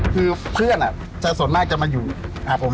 คือเพื่อนน่ะส่วนมากจะมาอยู่นะครับผม